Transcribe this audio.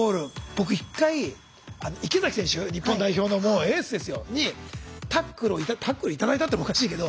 僕１回池崎選手日本代表のもうエースですよにタックルをいただタックル頂いたっておかしいけど。